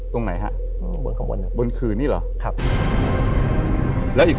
ตรงไหนฮะ